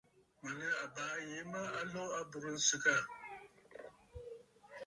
Mə̀ nɨ àbaa yìi mə a lo a aburə nsɨgə aà.